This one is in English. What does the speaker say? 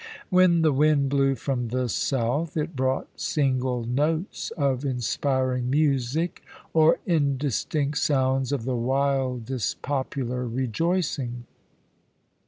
When the wind blew from the south, it brought single notes of inspiring music or indistinct sounds of the wildest popular rejoicing.